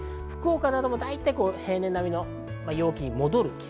福岡なども平年並みの陽気に戻る。